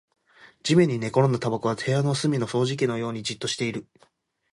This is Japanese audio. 地面に寝転んだタバコは部屋の隅の掃除機のようにじっとしている